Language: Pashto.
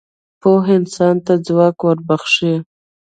پوهه انسان ته ځواک وربخښي.